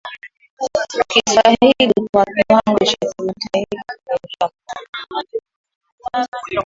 Kiswahili kwa kiwango cha kimataifa Kuingia kwa